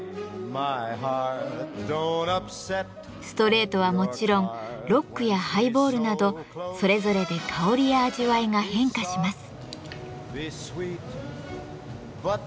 ストレートはもちろんロックやハイボールなどそれぞれで香りや味わいが変化します。